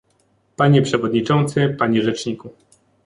Panie przewodniczący, panie rzeczniku